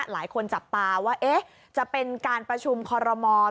หลายคนจับตาว่าจะเป็นการประชุมคอรมอล